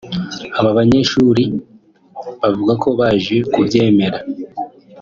Aba banyeshuli bavuga ko baje kubyemera